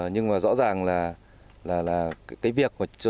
nhưng rõ ràng là việc